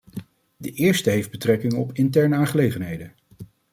De eerste heeft betrekking op interne aangelegenheden.